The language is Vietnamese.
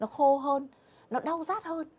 người ta thấy nó khô hơn nó đau rát hơn